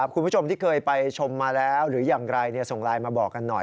คุณผู้ชมที่เคยไปชมมาแล้วหรืออย่างไรส่งไลน์มาบอกกันหน่อย